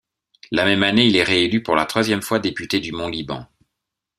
La même année il est réélu pour la troisième fois député du mont Liban.